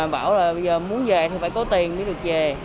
bây giờ muốn về thì phải có tiền mới được về